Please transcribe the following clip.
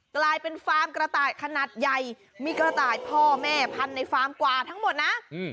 กลายเป็นฟาร์มกระต่ายขนาดใหญ่มีกระต่ายพ่อแม่พันในฟาร์มกว่าทั้งหมดนะ